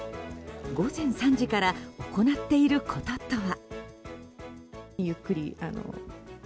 午前３時から行っていることとは。